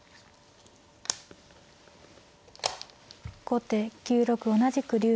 後手９六同じく竜。